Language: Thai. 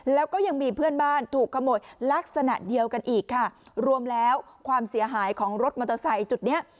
แล้วก็ยังมีเพื่อนบ้านถูกขโมยลักษณะเดียวกันอีกค่ะรวมแล้วความเสียหายของรถมอเตอร์ไซค์จุดเนี้ย